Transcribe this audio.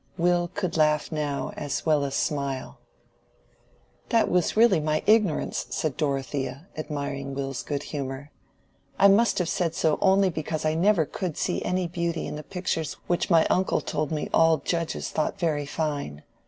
Will could laugh now as well as smile. "That was really my ignorance," said Dorothea, admiring Will's good humor. "I must have said so only because I never could see any beauty in the pictures which my uncle told me all judges thought very fine.